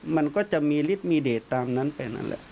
มันก็จะมีฤทธิ์มีเดทตามนั้นไปนั่นแหละ